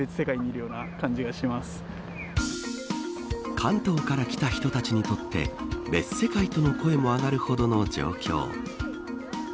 関東から来た人たちにとって別世界との声も上がるほどの状況。